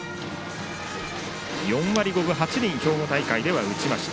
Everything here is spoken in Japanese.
４割５分８厘兵庫大会では打ちました。